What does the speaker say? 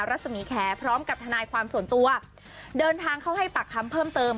รัศมีแขพร้อมกับทนายความส่วนตัวเดินทางเข้าให้ปากคำเพิ่มเติม